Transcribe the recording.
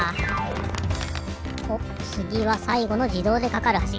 おっつぎはさいごのじどうでかかるはし。